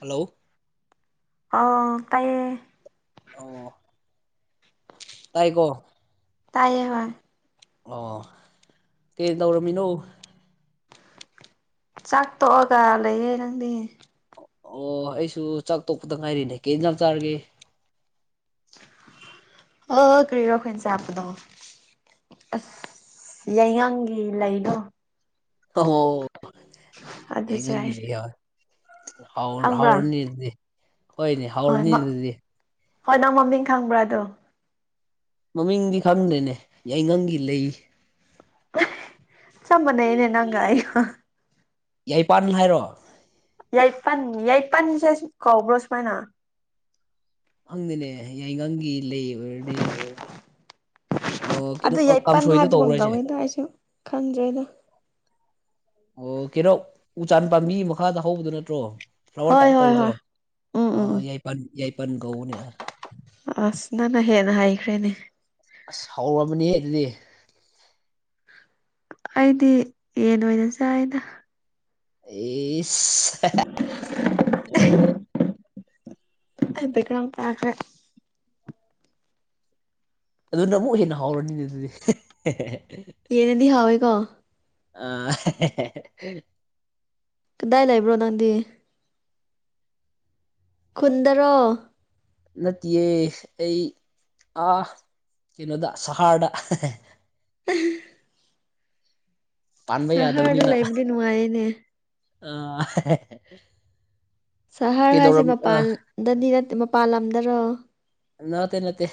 hello ꯑ ꯇꯥꯏꯌꯦ ꯑꯣ ꯇꯥꯏꯀꯣ ꯇꯥꯏꯌꯦꯕ ꯑꯣ ꯀꯩ ꯇꯧꯔꯝꯃꯤꯅꯣ ꯆꯥꯛ ꯇꯣꯛꯑꯒ ꯂꯩꯌꯦꯦ ꯅꯪꯗꯤ ꯑꯣ ꯑꯩꯁꯨ ꯆꯥꯛ ꯇꯣꯛꯄꯗ ꯉꯥꯏꯔꯤꯅꯦ ꯀꯦ ꯏꯟꯖ ꯆꯥꯔꯒꯦ ꯑ ꯀꯔꯤꯔꯈꯁꯦꯄꯗꯣ ꯑꯁ ꯌꯥꯏꯉꯪꯒꯤ ꯂꯩꯅꯣ ꯑꯣ ꯑꯗꯨ ꯆꯥꯏ ꯌꯦꯡꯉꯒ ꯌ ꯍꯥꯎ ꯈꯪꯕ꯭ꯔꯥ ꯍꯔꯅꯤ ꯏꯅꯤ ꯍꯣꯏꯅꯦ ꯍꯣꯏ ꯍꯧꯔꯅꯤ ꯃ ꯑꯗꯨꯗꯤ ꯍꯣꯏ ꯅꯪ ꯃꯃꯤꯡ ꯈꯪꯕ꯭ꯔꯥꯗꯣ ꯃꯃꯤꯡꯗꯤ ꯈꯪꯗ꯭ꯔꯦꯅꯦ ꯌꯥꯏꯉꯪꯒꯤ ꯂꯩ ꯆꯃ ꯅꯩꯅ ꯅ ꯉꯥꯏꯣ ꯌꯥꯏꯄꯥꯥꯟꯅꯤ ꯍꯥꯏꯔꯣ ꯌꯥꯏꯄꯜ ꯌꯥꯏꯄꯟꯁꯦ ꯀꯧꯕ꯭ꯔꯣ ꯁꯨꯃꯥꯏꯅ ꯑꯪꯗꯅꯦ ꯌꯥꯏꯉꯪꯒꯤ ꯂꯩ ꯑꯣꯏꯔꯗꯤ ꯑꯣ ꯀꯩꯅꯣ ꯑꯗꯨ ꯌꯥꯏꯄꯟ ꯀꯥꯡꯁꯣꯏꯗ ꯍꯥꯏꯕꯒꯨꯝ ꯇꯧ꯭ꯔꯁꯦ ꯇꯧꯋꯤꯗ ꯑꯩꯁꯨ ꯈꯪꯗ꯭ꯔꯦꯗ ꯑꯣ ꯀꯩꯅꯣ ꯎ ꯆꯥꯟ ꯄꯥꯝꯕꯤ ꯃꯈꯥꯗ ꯍꯧꯕꯗꯨꯣ ꯅꯠꯇ꯭ꯔꯣ ꯐ꯭ꯂꯥꯋꯔ ꯍꯣꯏ ꯇꯥꯏꯞ ꯍꯣꯏ ꯇꯧꯕꯗꯣ ꯍꯣꯏ ꯎꯝ ꯎꯝ ꯌꯥꯏꯄꯜ ꯌꯥꯏꯄꯜ ꯀꯧꯕꯅꯦ ꯑꯁ ꯅꯪꯅ ꯍꯦꯟꯅ ꯍꯥꯏꯈ꯭ꯔꯦꯅꯦ ꯑꯁ ꯍꯧꯔꯕꯅꯦ ꯑꯗꯨꯗꯤ ꯑꯩꯗꯤ ꯌꯦꯟ ꯑꯣꯏꯅ ꯆꯥꯏꯅ ꯑꯦ ꯑꯗꯨꯀ ꯅꯥꯡ ꯄꯥꯈꯦ ꯑꯗꯨꯅ ꯑꯃꯨꯛ ꯍꯦꯟꯅ ꯍꯧꯔꯅꯤꯅꯦ ꯑꯗꯨꯗꯤ ꯌꯦ ꯅꯗꯤ ꯍꯋꯦꯒꯣ ꯑ ꯀꯗꯥꯏ ꯂꯩꯕ꯭ꯔꯣ ꯅꯪꯗꯤ ꯈꯨꯟꯗ꯭ꯔ ꯅꯠꯇꯦ ꯑꯩ ꯑ ꯀꯩꯅꯣꯗ ꯁꯍꯥꯗ ꯎꯝ ꯄꯥꯟꯕ ꯁꯍꯔꯗ ꯂꯩꯕꯗꯤ ꯅꯨꯡꯉꯥꯏꯌꯦꯅꯦ ꯑ ꯁꯍꯔ ꯍꯥꯏꯁꯦ ꯃꯄꯥꯟꯗꯗꯤ ꯅꯠꯇ ꯃꯄꯥꯟ ꯂꯝꯗꯔꯣ ꯅꯠꯇꯦ ꯅꯠꯇꯦ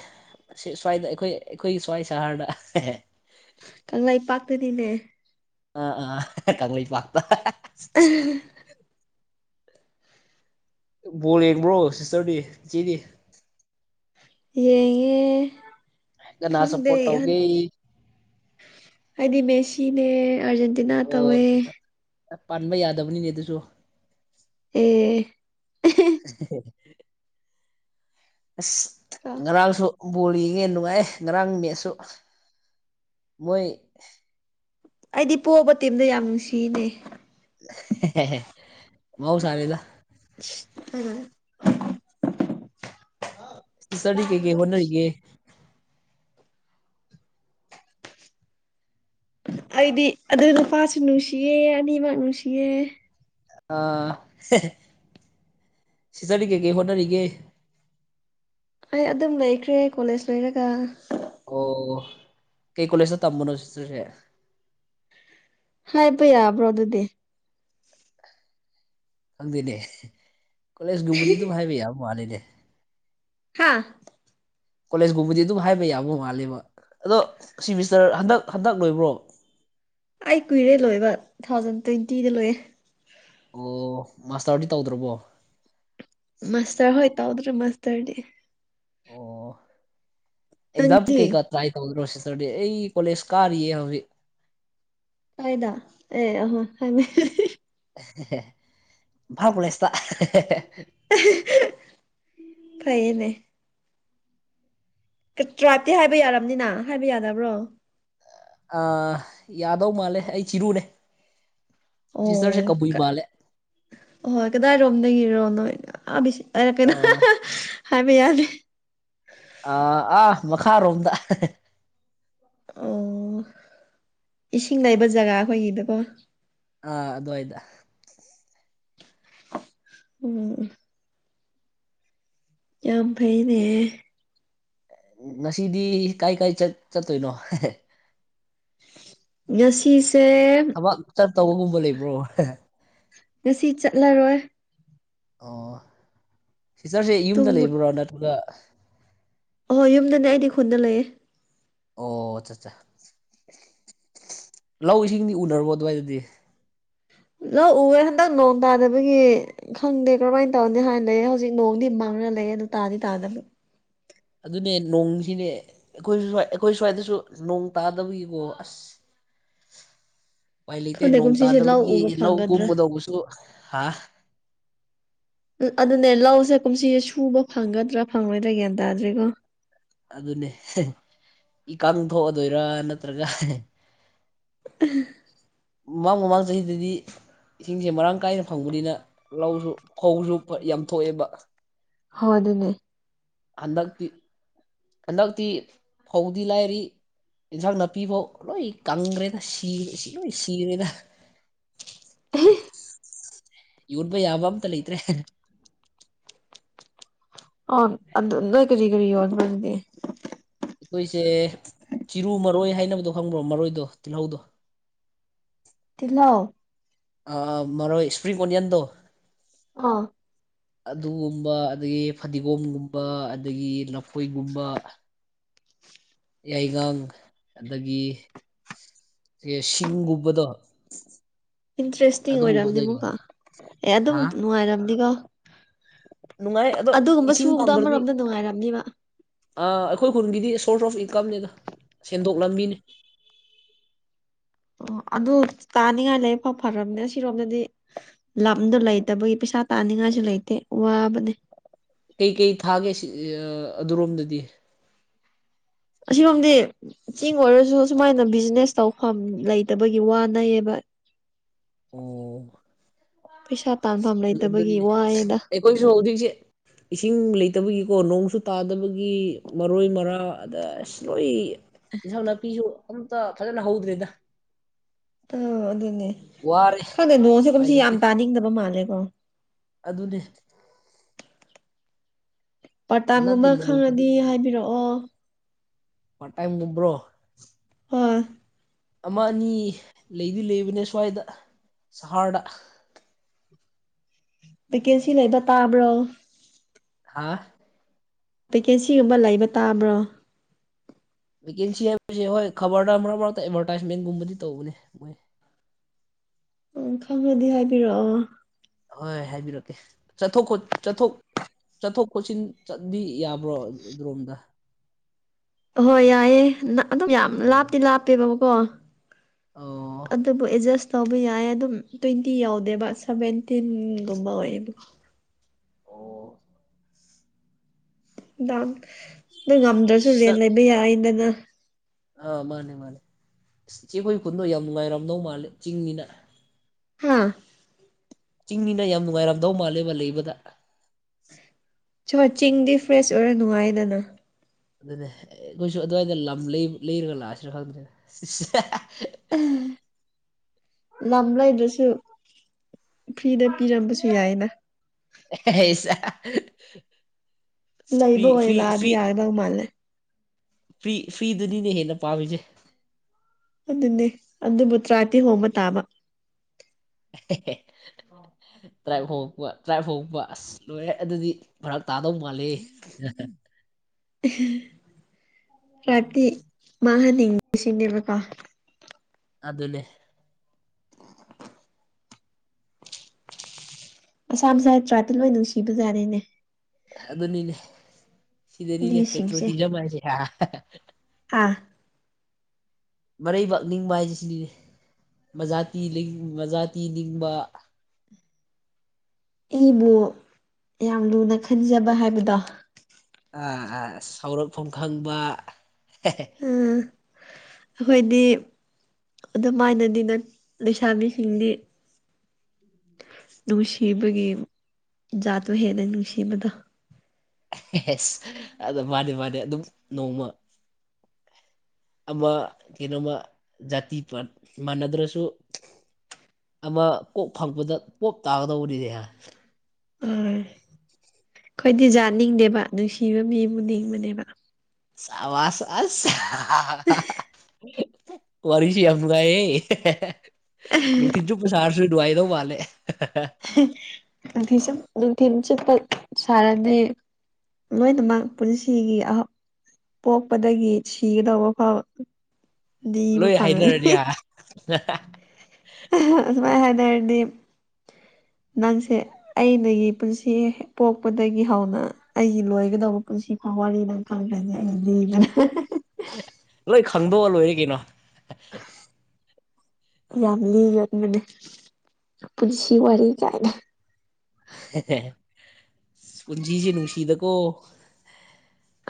ꯁ꯭ꯋꯥꯏꯗ ꯑꯩꯈꯣꯏ ꯑꯩꯈꯣꯏꯒꯤ ꯁ꯭ꯋꯥꯏ ꯁꯍꯔꯗ ꯀꯪꯂꯥꯏ ꯄꯥꯛꯇꯗꯤꯅꯦ ꯀꯪꯂꯂꯤ ꯄꯥꯗ ꯎꯝ ꯕꯣꯜ ꯌꯦꯡꯕ꯭ꯔꯣ ꯁꯤꯁꯇꯔꯗꯤ ꯏꯆꯦꯗꯤ ꯌꯦꯡꯉꯦ ꯀꯅꯥ ꯈꯪꯗꯦ ꯁꯞꯄꯣꯔꯠ ꯇꯧꯒꯦ ꯍꯥꯏꯗꯤꯃꯦꯁ ꯆꯤꯅꯦ ꯑꯔꯖꯦꯟꯇꯤꯅꯥ ꯑꯣ ꯇꯧꯋꯦ ꯑꯠꯆꯥ ꯑꯠꯆꯥ ꯄꯥꯟꯕ ꯌꯥꯗꯕꯅꯤꯅꯦ ꯑꯗꯨꯁꯨ ꯑꯦ ꯑꯁ ꯉꯗꯥꯁꯨ ꯕꯣꯜ ꯌꯦꯡꯉꯦ ꯅꯨꯡꯉꯥꯏ ꯉꯔꯥꯡ ꯃꯦꯠꯁꯨ ꯃꯣꯏ ꯑꯩꯗꯤ ꯄꯣꯛꯕ ꯇꯦꯝꯗ ꯌꯥꯝ ꯅꯨꯡꯁꯤꯅꯦ ꯃꯎꯁꯔꯦꯗ ꯍꯦ ꯁꯔꯤꯀꯒꯤ ꯍꯟꯅꯔꯤꯒ ꯑꯩꯗꯤ ꯑꯗꯨ ꯅꯨꯄꯥꯁꯨ ꯅꯨꯡꯁꯤꯌꯦ ꯑꯅꯤꯃꯛ ꯅꯨꯡꯁꯤꯌꯦ ꯑꯥ ꯁꯤꯖꯔꯤꯒꯦ ꯀꯦ ꯍꯣꯅꯔꯤꯒꯦ ꯑꯩ ꯑꯗꯨꯝ ꯂꯩꯈ꯭ꯔꯦ ꯀꯣꯂꯦꯖ ꯂꯩꯣꯏꯔꯒ ꯑꯣ ꯀꯩ ꯀꯣꯂꯦꯖꯇ ꯇꯝꯕꯅꯣ ꯁꯤꯁꯦ ꯍꯥꯏ ꯄ ꯌꯥꯕ꯭ꯔꯣ ꯑꯗꯨꯗꯤ ꯈꯪꯗꯦꯅꯦ ꯀꯣꯂꯦꯖꯒꯨꯝꯕꯗꯤ ꯑꯗꯨꯝ ꯍꯥꯏꯕ ꯌꯥꯕ ꯃꯥꯂꯅꯦ ꯍꯥꯥ ꯀꯣꯂꯦꯖꯀꯨꯝꯕꯗꯤ ꯑꯗꯨꯝ ꯍꯥꯏꯕ ꯌꯥꯕ ꯃꯥꯂꯦꯕ ꯑꯗꯣ ꯁꯤ ꯃꯤꯁꯇꯔ ꯍꯟꯗꯛ ꯍꯟꯗꯛ ꯂꯣꯏꯕ꯭ꯔꯣꯕ ꯑꯩ ꯀꯨꯏꯔꯦ ꯂꯣꯏꯕ ꯇꯨ ꯊꯥꯎꯖꯟ ꯇ꯭ꯋꯦꯟꯇꯤꯗ ꯂꯣꯏꯌꯦꯦ ꯑꯣ ꯃꯥꯁꯇꯔꯗꯤ ꯇꯧꯗ꯭ꯔꯕꯣ ꯃꯥꯁꯇꯔ ꯍꯣꯏ ꯇꯧꯗ꯭ꯔꯣ ꯃꯥꯁꯇꯔꯗꯤ ꯑꯣ ꯑꯦꯛꯖꯥꯝ ꯇ ꯅꯪꯗꯤ ꯀꯩꯀ ꯇ꯭ꯔꯥꯏ ꯇꯧ꯭ꯔꯣ ꯑꯩ ꯀꯣꯂꯦꯖ ꯀꯥꯔ ꯍꯧꯕꯤ ꯀꯗ ꯑꯦ ꯍꯥꯏ ꯐꯥꯎ ꯂꯩꯁꯇ ꯐꯥꯏꯅꯦ ꯇ꯭ꯔꯥꯏꯞꯇꯤ ꯍꯥꯏꯕ ꯌꯥꯔꯕꯅꯤꯅ ꯍꯥꯏꯕ ꯌꯥꯗꯕ꯭ꯔꯣ ꯑ ꯌꯥꯗꯧ ꯃꯥꯜꯂꯦ ꯑꯩ ꯆꯤꯔꯨꯅꯦ ꯁꯤꯁꯇꯔꯁꯦ ꯑꯣ ꯀꯕꯨꯏ ꯃꯥꯜꯂꯦ ꯑꯣ ꯀꯗꯥꯏ ꯗ ꯀꯤꯔꯣꯔꯅ ꯑꯥ ꯍꯥꯏꯕ ꯌꯥꯗꯦ ꯑꯥ ꯑꯥ ꯃꯈꯥꯔꯣꯝꯗ ꯑꯣ ꯏꯁꯤꯡ ꯂꯩꯕ ꯖꯒꯥ ꯑꯩꯈꯣꯏꯒꯤꯗꯀꯣ ꯑ ꯑꯗꯨꯗ ꯍꯣꯏꯗ ꯎꯝ ꯌꯥꯝ ꯐꯩꯅꯦ ꯉꯁꯤꯗꯤ ꯀꯥꯏ ꯀꯥꯏ ꯆꯠꯇꯣꯏꯅꯣ ꯉꯁꯤꯁꯦ ꯊꯕꯛ ꯆꯠ ꯇꯧꯕꯒꯨꯝꯕ ꯂꯩꯕ꯭ꯔꯣ ꯉꯁꯤ ꯆꯠꯂꯔꯣꯏ ꯑꯣ ꯁꯤꯆꯔꯁꯦ ꯇꯨꯝ ꯌꯨꯝꯗ ꯂꯩꯕ꯭ꯔꯣ ꯅꯠꯇ꯭ꯔꯒ ꯑꯍꯣꯏ ꯌꯨꯝꯗꯅꯦ ꯑꯩꯗꯤ ꯈꯨꯗ ꯂꯩꯌꯦꯦ ꯑꯣ ꯑꯆꯥ ꯑꯠꯆꯥ ꯂꯧ ꯏꯁꯤꯡꯗꯤ ꯎꯅꯔꯕꯣ ꯑꯗꯨꯋꯥꯏꯗꯗꯤ ꯂꯧꯥꯛꯎꯋꯦ ꯍꯟꯗꯛ ꯅꯣꯡ ꯇꯥꯗꯕꯒꯤ ꯈꯪꯗꯦ ꯀꯔꯝꯍꯥꯏꯅ ꯇꯧꯅꯤ ꯍꯥꯏꯥꯟꯅ ꯂꯩ ꯍꯧꯖꯤꯛ ꯅꯣꯡꯗꯤ ꯃꯥꯡꯅ ꯂꯩ ꯑꯗꯨ ꯇꯥꯗꯤ ꯇꯥꯗꯕꯤ ꯑꯗꯨꯅꯦ ꯅꯣꯡꯁꯤꯅꯦ ꯑꯩꯈꯣꯏ ꯁ ꯑꯩꯈꯣꯏ ꯁ꯭ꯋꯥꯏꯗꯁꯨ ꯅꯣꯡ ꯇꯥꯗꯕꯒꯤꯀꯣ ꯑꯁ [inaudible] [unintelligible] ꯎꯄꯥꯏ ꯂꯩꯇꯦ ꯈꯪꯗꯦ ꯅꯣꯡ ꯀꯨꯝꯁꯤꯁꯦ ꯂꯧ ꯇꯥꯗꯕꯒꯤ ꯎꯕ ꯂꯧ ꯐꯪꯒꯗ꯭ꯔꯥ ꯀꯨꯝꯕꯗꯧꯕꯁꯨ ꯍꯥ ꯑꯗꯨꯅꯦ ꯂꯧꯁꯦ ꯀꯨꯝꯁꯤꯁꯦ ꯁꯨꯕ ꯐꯪꯒꯗ꯭ꯔꯥ ꯐꯪꯂꯣꯏꯗ꯭ꯔꯥ ꯒ꯭ꯌꯥꯟ ꯇꯥꯗ꯭ꯔꯤꯀꯣ ꯑꯗꯨꯅꯦ ꯏꯀ ꯊꯣꯛꯑꯗꯣꯏꯔ ꯅꯠꯇ꯭ꯔꯒ ꯃꯃꯥꯡ ꯃꯃꯥꯡ ꯆꯍꯤꯗꯗꯤ ꯏꯁꯤꯡꯁꯦ ꯃꯔꯥꯡ ꯀꯥꯏꯅ ꯐꯪꯕꯅꯤꯅ ꯂꯧꯁꯨ ꯈꯧꯁꯨ ꯌꯥꯝ ꯊꯣꯛꯑꯦꯕ ꯍ ꯑꯗꯨꯅꯦ ꯍꯟꯗꯛꯇꯤ ꯍꯟꯗꯛꯇꯤ ꯐꯧꯗꯤ ꯂꯥꯏꯔꯤ ꯏꯟꯁꯥꯡ ꯅꯥꯄꯤ ꯐꯥꯎ ꯂꯣꯏ ꯀꯪꯈ꯭ꯔꯦꯗ ꯁꯤ ꯁꯤ ꯂꯣꯏ ꯁꯤꯔꯦꯗ [unintelligible] [inaudible] ꯌꯔꯕ ꯌꯥꯕ ꯑꯝꯇ ꯂꯩꯇ꯭ꯔꯦ ꯑ ꯑꯗꯨ ꯅ ꯀꯔꯤ ꯀꯔꯤ ꯌꯣꯗꯤ ꯑꯩꯈꯣꯏꯁꯦ ꯆꯤꯔꯨ ꯃꯔꯣꯏ ꯍꯥꯏꯅꯕꯗꯣ ꯈꯪꯕ꯭ꯔꯣ ꯃꯔꯣꯏꯗꯣ ꯇꯤꯜꯍꯧꯗꯣ ꯇꯤꯜꯅꯍꯣ ꯑꯥ ꯃꯔ ꯏꯁꯄ꯭ꯔꯔꯤ ꯑꯣꯅꯤꯌꯟꯗ ꯑꯥ ꯑꯗꯨꯒꯨꯝꯕ ꯑꯗꯨꯗꯒꯤ ꯐꯗꯤꯒꯣꯝꯒꯨꯝꯕ ꯑꯗꯨꯗꯒꯤ ꯂꯐꯣꯏꯒꯨꯝꯕ ꯌꯥꯏꯉꯪ ꯑꯗꯒꯤ ꯑꯦ ꯁꯤꯤ ꯎꯕꯗꯣ ꯏꯟꯇꯔꯦꯁꯇꯤꯡ ꯑꯣꯏꯔꯝꯅꯦ ꯑꯃꯨꯛꯀꯣ ꯑꯦ ꯑꯗꯨꯝ ꯍꯥ ꯅꯨꯡꯉꯥꯏꯔꯝꯅꯤꯀꯣ ꯅꯨꯡꯉꯥꯏ ꯑꯗꯣ ꯑꯗꯨꯒꯨꯝꯕ ꯏꯁꯤꯡ ꯁꯨꯕꯗꯣ ꯄꯗ꯭ꯔꯗꯤ ꯑꯃꯔꯣꯝꯗ ꯅꯨꯡꯉꯥꯏꯔꯝꯅꯤꯕ ꯑꯩꯈꯣꯏ ꯈꯨꯟꯒꯤꯗꯤ ꯁꯣꯔꯁ ꯑꯣꯐ ꯏꯟꯀꯝꯅꯤꯗ ꯁꯦꯟꯗꯣꯛ ꯂꯝꯕꯤꯅꯤ [inaudible] ꯑꯣ ꯑꯗꯨ ꯇꯥꯅꯤꯡꯉꯥꯏ ꯂꯩꯐꯥꯎ ꯐꯔꯕꯅꯦ ꯁꯤꯔꯣꯝꯗꯗꯤ ꯂꯝꯗꯣ ꯂꯩꯇꯕꯒꯤ ꯄꯩꯁꯥ ꯇꯥ ꯅꯤꯡꯉꯥꯏꯁꯨ ꯂꯩꯇꯦ ꯋꯥꯕꯅꯦ ꯀꯩꯀꯩ ꯊꯥꯒꯦ ꯁꯤ ꯑꯗꯨꯔꯣꯝꯗꯗꯤ ꯑꯁꯤꯒꯨꯝꯝꯗꯤ ꯆꯤꯡ ꯑꯣꯏꯔꯁꯨ ꯁꯨꯃꯥꯏꯅ ꯕꯤꯖꯤꯅꯦꯁ ꯇꯧꯐꯝ ꯂꯩꯇꯕꯒꯤ ꯋꯥꯅꯩꯌꯦꯕ ꯑꯣ ꯄꯩꯁꯥ ꯇꯥꯟꯐꯝ ꯅꯦ ꯂꯩꯇꯕꯒꯤ ꯋꯥꯏꯑꯦꯗ ꯑꯩ ꯀꯣꯏꯁꯨ ꯍꯧꯗꯤꯁꯦ ꯏꯁꯤꯡ ꯂꯩꯇꯕꯒꯤꯀꯣ ꯅꯣꯡꯁꯨ ꯇꯥꯗꯕꯒꯤ ꯃꯔꯣꯏ ꯃꯔꯥ ꯑꯗ ꯑꯁ ꯂꯣꯏ ꯏꯟꯁꯥꯡ ꯅꯥꯄꯤꯁꯨ ꯑꯝꯇ ꯐꯖꯅ ꯍꯧꯗ꯭ꯔꯦꯗ ꯑꯥ ꯑꯗꯨꯅꯦ ꯋꯥꯔꯦ ꯈꯪꯗꯦ ꯅꯣꯡꯁꯦ ꯎꯄꯥꯏ ꯀꯨꯝꯁꯤ ꯌꯥꯝ ꯂꯩꯇꯦ ꯇꯥꯅꯤꯡꯗꯕ ꯃꯥꯜꯂꯦꯀꯣ ꯑꯗꯨꯅꯦ ꯍꯟꯗꯛꯀꯤ ꯄ꯭ꯔꯇꯥꯝꯒꯨꯝꯕ ꯅꯣꯡꯁꯤꯗꯤ ꯈꯪꯉꯗꯤ ꯍꯥꯏꯕꯤꯔꯛꯑꯣ ꯄꯥꯏꯝ ꯃꯕ꯭ꯔꯣ ꯍ ꯑꯃ ꯑꯅꯤ ꯂꯩꯗꯤ ꯂꯩꯕꯅꯦ ꯁ꯭ꯋꯥꯏꯗ ꯁꯍꯔꯗ ꯚꯦꯀꯦꯟꯁꯤ ꯂꯩꯕ ꯇꯥꯕ꯭ꯔꯣ ꯍꯥꯥ ꯚꯦꯀꯦꯟꯁꯤꯒꯨꯝꯕ ꯂꯩꯕ ꯇꯥꯕ꯭ꯔꯣ ꯚꯦꯀꯦꯟꯁꯤ ꯍꯥꯏꯕꯕꯁꯤꯦ ꯍꯣꯏ ꯈꯕꯔꯗ ꯃꯔꯛ ꯃꯔꯛꯇ ꯑꯦꯗꯚꯔꯇꯥꯏꯁꯃꯦꯟꯒꯨꯝꯕꯗꯤ ꯇꯧꯕꯅꯦ ꯃꯣꯏ ꯎ ꯈꯪꯉꯗꯤ ꯍꯥꯏꯕꯤꯔꯛꯑꯣ ꯍꯣꯏ ꯍꯥꯏꯕꯤꯔꯛꯀꯦ ꯆꯠꯊꯣꯛꯣ ꯆꯠꯊꯣꯛ ꯆꯠꯊꯣꯛ ꯆꯣꯠꯁꯤꯟ ꯆꯠꯗꯤ ꯌꯥꯕ꯭ꯔꯣ ꯑꯗꯨꯔꯣꯝꯗ ꯑꯍꯣꯏ ꯌꯥꯏꯑꯦ ꯑꯗꯨꯝ ꯌꯥꯝ ꯑꯣ ꯂꯥꯞꯇꯤ ꯂꯥꯞꯄꯦꯕꯕꯀꯣ ꯑꯣ ꯑꯗꯨꯕꯨ ꯑꯦꯖꯁ ꯇꯧꯕ ꯌꯥꯏ ꯑꯗꯨꯝ ꯇ꯭ꯋꯦꯟꯇꯤ ꯌꯥꯎꯗꯦꯕ ꯁꯚꯦꯟꯇꯤꯟꯒꯨꯝꯕ ꯑꯣꯏꯌꯦꯕ ꯑꯣ ꯅ ꯉꯝꯗ꯭ꯔꯁꯨ ꯔꯦꯟ ꯁꯥꯔ ꯂꯩꯕ ꯌꯥꯏꯗꯅ ꯑꯥ ꯃꯥꯅꯦ ꯃꯥꯅꯦ ꯆꯦꯈꯣꯏ ꯈꯨꯟꯗꯣ ꯌꯥꯝ ꯅꯨꯡꯉꯥꯏꯔꯝꯅꯧ ꯃꯥꯂꯦ ꯆꯤꯡꯅꯤꯅ ꯍꯥꯥ ꯆꯤꯡꯅꯤꯅ ꯌꯥꯝ ꯅꯨꯡꯉꯥꯏꯔꯝꯗꯧ ꯃꯥꯜꯂꯦ ꯃꯥ ꯂꯩꯕꯗ ꯁ ꯆꯤꯡꯗꯤ ꯐ꯭ꯔꯦꯁ ꯑꯣꯏꯔ ꯅꯨꯡꯉꯥꯏꯗꯅ ꯑꯗꯨꯅꯦ ꯑꯦ ꯅꯣꯏꯁꯨ ꯑꯗꯨꯋꯥꯏꯗ ꯂꯝ ꯂꯩꯔꯒ ꯂꯥꯛꯑꯁꯤꯅ ꯈꯪꯗ꯭ꯔꯦ [inaudible] ꯂꯝꯝꯕ꯭ꯂ ꯏꯗꯁꯨ ꯐ꯭ꯔꯤꯗ ꯄꯤꯔꯝꯕꯁꯨ ꯌꯥꯏꯅ [inaudible] ꯐ꯭ꯔꯤ ꯂꯩꯕ ꯑꯣꯏ ꯐ꯭ꯔꯤ ꯂꯥꯛꯑꯗꯤ ꯌꯥꯒꯗꯧ ꯃꯥꯜꯂꯦ ꯐꯤ ꯐꯤꯗꯨꯅꯤꯅꯦ ꯍꯦꯟꯅ ꯄꯥꯝꯃꯤꯁꯦ ꯑꯗꯨꯅꯦ ꯑꯗꯨꯕꯨ ꯇꯔꯥꯇꯤ ꯍꯣꯡꯕ ꯇꯥꯕ [inaudible] ꯇ꯭ꯔꯥꯏꯕ ꯍꯉꯛꯄ ꯇ꯭ꯔꯥꯏꯞ ꯍꯉꯛꯄ ꯑꯁ ꯂꯣꯏꯔꯦ ꯑꯗꯨꯗꯤ ꯐꯔꯛ ꯇꯥꯗꯧ ꯃꯥꯂꯦ ꯔꯥꯇ ꯃꯥꯍꯅꯤꯡꯁꯤꯡꯅꯦꯦꯕꯀꯣ ꯑꯗꯨꯗ ꯂꯩꯦ ꯑꯁꯥꯝ ꯁꯥꯇ꯭ꯔꯥꯇ ꯂꯣꯏ ꯅꯨꯡꯁꯤꯕꯖꯥꯠꯅꯤꯅꯦ ꯑꯗꯨꯅꯤꯅꯦ ꯁꯤꯗꯅꯤꯅꯦ ꯄꯦꯇ꯭ꯔꯣꯜ ꯃꯤꯁꯤꯡꯁꯦ ꯊꯤꯔꯝꯃꯁꯦ ꯑꯥ ꯃꯔꯩꯕꯥꯛ ꯅꯤꯡꯕ ꯍꯥꯏꯁꯤ ꯁꯤꯗꯤꯅꯦ ꯃꯖꯥꯇꯤ ꯃꯖꯥꯇꯤ ꯂꯤꯡꯕ ꯑꯩꯕꯨ ꯌꯥꯝ ꯂꯨꯅ ꯈꯟꯖꯕ ꯍꯥꯏꯕꯗꯣ ꯁꯥꯎꯔꯛꯐꯝ ꯈꯪꯕ ꯎꯝ ꯑꯩꯈꯣꯏꯗꯤ ꯑꯗꯨꯃꯥꯏꯅꯅꯤ ꯅ ꯂꯩꯁꯥꯕꯤꯁꯤꯡꯗꯤ ꯅꯨꯡꯁꯤꯕꯒꯤ ꯖꯥꯠ ꯍꯦꯟꯅ ꯅꯨꯡꯁꯤꯕꯗ ꯑꯦꯁ ꯑꯗ ꯃꯥꯅꯦ ꯃꯥꯅꯦ ꯑꯗꯨꯝ ꯅꯣꯡꯃ ꯑꯃ ꯀꯩꯅꯣꯃ ꯖꯥꯇꯤ ꯄꯠ ꯃꯥꯟꯅꯗ꯭ꯔꯁꯨ ꯑꯃ ꯀꯣꯛ ꯐꯪꯄꯗ ꯀꯣꯞ ꯇꯥꯒꯗꯧꯕꯔꯤꯅꯦ ꯑꯩꯈꯣꯏꯗꯤꯖꯥꯠꯅꯤꯡꯗꯦꯕ ꯅꯨꯡꯁꯤꯕ ꯃꯤ ꯑꯃ ꯅꯤꯡꯕꯅꯦꯕ ꯁꯋꯥꯁ ꯑ ꯋꯥꯔꯤꯔꯤꯁꯤ ꯌꯥꯝꯒ ꯅ ꯊꯤꯖꯨ ꯄꯁꯥꯔꯁꯨꯏ ꯗꯋꯥꯏꯗ ꯃꯥꯂꯦ ꯎꯊ ꯆ ꯑꯗꯨ ꯊꯤꯟ ꯆꯠꯄ ꯁꯥꯔꯅꯤ ꯂꯣꯏꯅꯃꯛ ꯄꯨꯟꯁꯤꯒꯤ ꯄꯣꯛꯄꯗꯒꯤ ꯁꯤꯒꯗꯧꯕ ꯐꯥꯎꯗꯤ ꯏꯕ ꯐꯪꯪꯂꯅꯤ ꯑ ꯃꯥꯏ ꯍꯥꯏꯅꯗꯤ [unintelligible] [inaudible] ꯅꯪꯁꯦ ꯑꯩꯅꯒꯤ ꯄꯨꯟꯁꯤ ꯄꯣꯛꯄꯗꯒꯤ ꯍꯧꯅ ꯑꯩꯒꯤ ꯂꯣꯏꯒꯗꯧꯕ ꯄꯨꯟꯁꯤ ꯍꯋꯥꯗꯦꯕ ꯂꯣꯏ ꯈꯪꯗꯧꯕ ꯂꯣꯏꯔꯦ ꯀꯩꯅꯣ ꯌꯥꯝ ꯂꯤꯒꯕꯅꯦ ꯄꯨꯟꯁꯤ ꯋꯥꯔꯤ ꯀꯥꯏꯅ ꯄꯨꯟꯁꯤꯁꯦ ꯅꯨꯡꯁꯤꯗꯀꯣ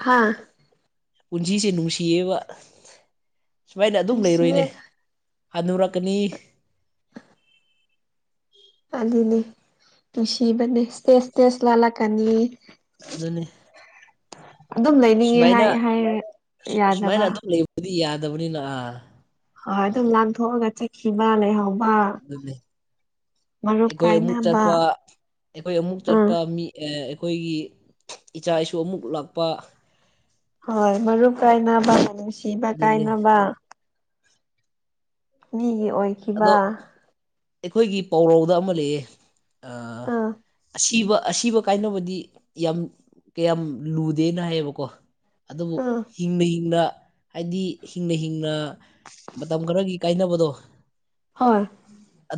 ꯍꯥꯥ ꯄꯨꯟꯁꯤꯁꯦ ꯅꯨꯡꯁꯤꯌꯦꯕ ꯁꯨꯃꯥꯏꯅ ꯑꯗꯨꯝ ꯅꯨꯡꯁꯤꯌꯦ ꯂꯩꯔꯣꯏꯅꯦ ꯍꯅꯨꯔꯛꯀꯅꯤ ꯑꯗꯨꯅꯦ ꯅꯨꯡꯁꯤꯕꯅꯦ ꯢꯁꯇꯦꯁ ꯢꯁꯇꯦꯁ ꯂꯥꯟꯂꯛ ꯀꯅꯤ ꯑꯗꯨꯅꯤ ꯑꯗꯨꯝ ꯂꯩꯅꯤꯡꯉꯦ ꯁꯨꯃꯥꯏꯅ ꯍꯥꯏ ꯍꯥꯏꯔ ꯁꯨꯃꯥꯏꯅ ꯌꯥꯗꯕ ꯑꯗꯨꯝ ꯂꯩꯕꯗꯤ ꯌꯥꯗꯕꯅꯤꯅ ꯑ ꯍ ꯑꯗꯨꯝ ꯂꯥꯟꯊꯣꯛꯑꯒ ꯆꯠꯈꯤꯕ ꯂꯩꯍꯥꯎ ꯑꯗꯨꯗꯤ ꯑꯩꯈꯣꯏ ꯑꯃꯨꯛ ꯀꯥꯏꯅꯕ ꯆꯠꯄ ꯑꯩꯈꯣꯏ ꯑꯃꯨꯛ ꯎꯝ ꯆꯠꯄ ꯃꯤ ꯑꯩꯈꯣꯏꯒꯤ ꯏꯆꯥ ꯏꯁꯨ ꯑꯃꯨꯛ ꯂꯥꯛꯄ ꯍꯣꯏ ꯃꯔꯨ ꯀꯥꯏꯅꯕ ꯅꯨꯡꯁꯤꯕ ꯑꯗꯨꯅꯦ ꯀꯥꯏꯅꯕ ꯃꯤꯒꯤ ꯑꯣꯏꯈꯤꯕ ꯑꯗꯣ ꯑꯩꯈꯣꯏꯒꯤ ꯄꯥꯎꯔꯧꯗ ꯑꯃ ꯂꯩꯌꯦ ꯑꯥ ꯑꯁꯤꯕ ꯑꯁꯤꯕ ꯀꯥꯏꯅꯕꯗꯤ ꯌꯥꯝ ꯀꯌꯥꯝ ꯂꯨꯗꯦꯅ ꯍꯥꯏꯌꯦꯕꯀꯣ ꯑꯗꯨꯕꯨ ꯑꯥ ꯍꯤꯡꯅ ꯍꯤꯡꯅ ꯍꯥꯏꯗꯤ ꯍꯤꯡꯅ ꯍꯤꯡꯅ ꯃꯇꯝ ꯈꯔꯒꯤ ꯀꯥꯏꯅꯕꯗꯣ ꯍꯣꯏ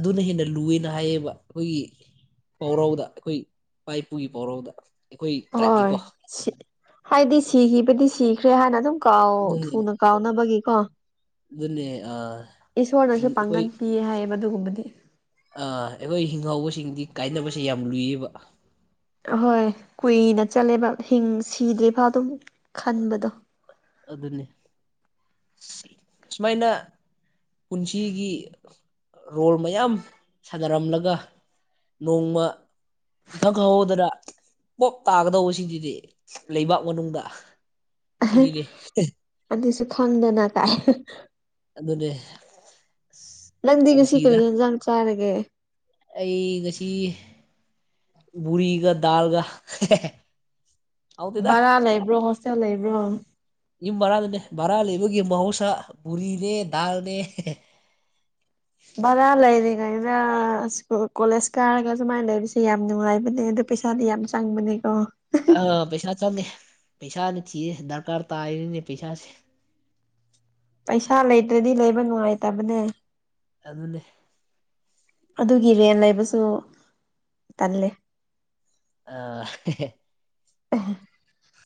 ꯑꯗꯨꯅ ꯍꯦꯟꯅ ꯂꯨꯑꯦꯅ ꯍꯥꯏꯌꯦꯕ ꯑꯩꯈꯣꯏꯒꯤ ꯄꯥꯎꯔꯧꯗ ꯑꯩꯈꯣꯏ ꯏꯄꯥ ꯏꯄꯨꯒꯤ ꯄꯥꯎꯔꯧꯗ ꯑꯩꯈꯣꯏ ꯍꯣꯏ ꯇ꯭ꯔꯥꯏꯞꯀꯤꯀꯣ ꯍꯥꯏꯗꯤ ꯁꯤꯈꯤꯕꯗꯤ ꯁꯤꯈ꯭ꯔꯦ ꯍꯥꯏꯅ ꯑꯗꯨꯝ ꯀꯥꯎ ꯑꯗꯨꯅꯦ ꯊꯨꯅ ꯀꯥꯎꯅꯕꯒꯤꯀꯣ ꯑꯗꯨꯅꯦ ꯑ ꯏꯁꯣꯔꯅꯁꯨ ꯍꯤꯡ ꯄꯥꯡꯒꯟ ꯄꯤꯌꯦ ꯍꯥꯏꯌꯦꯕ ꯑꯗꯨꯒꯨꯝꯕꯗꯤ ꯑꯥ ꯑꯩꯈꯣꯏ ꯍꯤꯡꯍꯧꯕꯁꯤꯡꯗꯤ ꯀꯥꯏꯅꯕꯁꯦ ꯌꯥꯝ ꯂꯨꯏꯌꯦꯕ ꯑꯍꯣꯏ ꯀꯨꯏꯅ ꯆꯠꯂꯦꯕ ꯍꯤꯡ ꯁꯤꯗ꯭ꯔꯤꯐ ꯑꯗꯨꯝ ꯈꯟꯕꯗꯣ ꯑꯗꯨꯅꯤ ꯁꯨꯃꯥꯏꯅ ꯄꯨꯟꯁꯤꯒꯤ ꯔꯣꯜ ꯃꯌꯥꯝ ꯁꯥꯟꯅꯔꯝꯂꯒ ꯅꯣꯡꯃ ꯏꯈꯪ ꯈꯪꯍꯧꯗꯅ ꯄꯣꯞ ꯇꯥꯒꯗꯧꯕꯁꯤꯡꯁꯤꯗꯤ ꯂꯩꯕꯥꯛ ꯃꯅꯨꯡꯗ ꯁꯤꯅꯤꯅꯦ ꯑꯗꯨꯁꯨ ꯈꯪꯗꯅ ꯇꯥꯏ ꯑꯗꯅꯦ ꯅꯪꯗꯤ ꯉꯁꯤ ꯀꯔꯤ ꯌꯦꯟꯖꯥꯡ ꯆꯥꯔꯒꯦ ꯑꯩ ꯉꯁꯤ ꯕꯨꯔꯤ ꯒ ꯗꯥꯜ ꯀ ꯕꯔꯥ ꯂꯩꯕ꯭ꯔꯣ ꯍꯣꯁꯇꯦꯜ ꯂꯩ ꯂꯩꯕ꯭ꯔꯣ ꯌꯨꯝ ꯔꯥꯗꯅꯦ ꯕꯔꯥ ꯂꯩꯕꯒꯤ ꯃꯍꯧꯁꯥ ꯄꯨꯕꯨꯔꯤꯅꯦ ꯗꯥꯜꯅꯦ ꯚꯔꯥ ꯂꯩꯔꯤꯉꯩꯗꯀꯨꯜ ꯀꯣꯂꯦꯖ ꯀꯥꯔꯒ ꯁꯨꯃꯥꯏꯅ ꯂꯩꯔꯤꯁꯦ ꯌꯥꯝ ꯅꯨꯡꯉꯥꯏꯕꯅꯦ ꯑꯗꯨꯗ ꯄꯩꯁꯥꯗꯤ ꯌꯥꯝ ꯆꯪꯕꯅꯦꯀꯣ ꯑꯥ ꯄꯩꯁꯥ ꯆꯪꯉꯦ ꯄꯩꯁꯥꯅꯤ ꯊꯤꯌꯦꯦ ꯗꯔꯀꯥꯔ ꯇꯥꯏꯔꯤꯅꯦ ꯄꯩꯁꯥꯁꯦ [unintelligible] ꯄꯩꯁꯥ ꯂꯩꯇ꯭ꯔꯗꯤ ꯂꯩꯕ ꯅꯨꯡꯉꯥꯏꯇꯕꯅꯦ ꯑꯗꯨ ꯅꯦ ꯑꯗꯨꯒꯤ ꯔꯦꯟ ꯂꯩꯕꯁꯨ ꯇꯜꯂꯦ ꯑ [unintelligible]